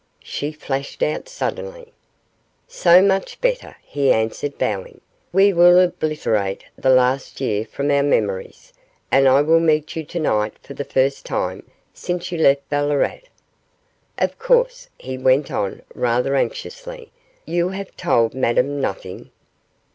she flashed out suddenly. 'So much the better,' he answered, bowing. 'We will obliterate the last year from our memories, and I will meet you to night for the first time since you left Ballarat. Of course,' he went on, rather anxiously, 'you have told Madame nothing?